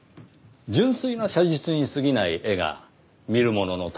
純粋な写実にすぎない絵が見る者の魂を揺さぶる。